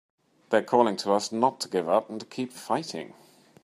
They're calling to us not to give up and to keep on fighting!